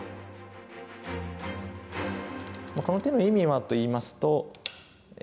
この手の意味はといいますと。